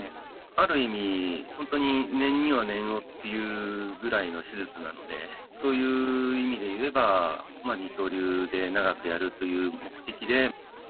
ある意味、本当に念には念をっていうぐらいの手術なので、という意味でいえば、二刀流で長くやるという目的で。